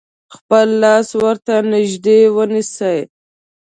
خپل لاس ورته نژدې ونیسئ.